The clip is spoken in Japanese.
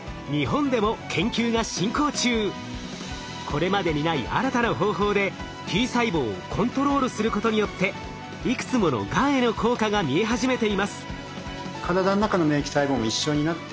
これまでにない新たな方法でＴ細胞をコントロールすることによっていくつものがんへの効果が見え始めています。